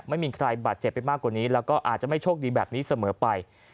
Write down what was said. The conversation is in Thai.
ไม่มีใครบาดเจ็บไปมากกว่านี้แล้วก็อาจจะไม่โชคดีแบบนี้เสมอไป